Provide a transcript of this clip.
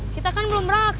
kita kan belum berjalan